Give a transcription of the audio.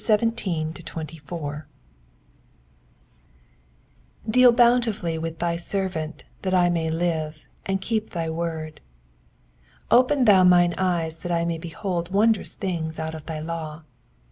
49 EXPOSITION OF VERSES 17 to 24. DEAL bountifully with thy servant, that I may live, and keep thy word. 1 8 Open thou mine eyes, that I may behold wondrous things out of thy law.